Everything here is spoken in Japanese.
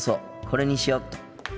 これにしよっと。